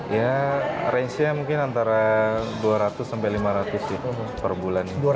ya range nya mungkin antara dua ratus sampai lima ratus per bulan